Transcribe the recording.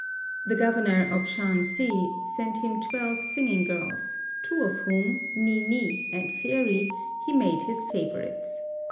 The Governor of Shansi sent him twelve singing girls, two of whom, Ni ni and Fairy, he made his favourites.